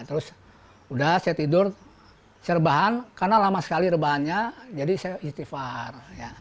terus udah saya tidur serbahan karena lama sekali rebahannya jadi saya istighfar